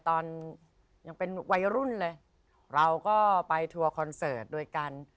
ตอนยังเป็นวัยรุ่นเลยเราก็ไปทัวร์คอนเสิร์ตโดยกัน